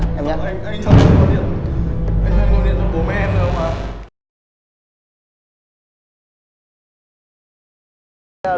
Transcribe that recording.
anh cho em gọi điện cho bố mẹ em được không ạ